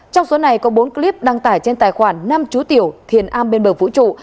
trong số này có bốn clip đăng tải trên tài khoản nam chú tiểu thiền a bên bờ vũ trụ